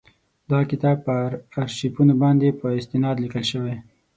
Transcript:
دا کتاب پر آرشیفونو باندي په استناد لیکل شوی.